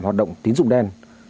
hoạt động tiến dụng đèn